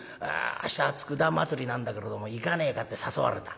明日佃祭りなんだけれども行かねえかって誘われた。